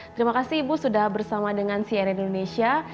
terima kasih ibu sudah bersama dengan cnn indonesia